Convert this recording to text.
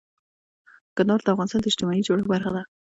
کندهار د افغانستان د اجتماعي جوړښت برخه ده.